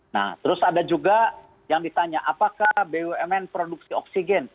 nah terus ada juga yang ditanya apakah bumn produksi oksigen